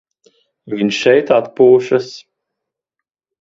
Viņš šeit atpūšas.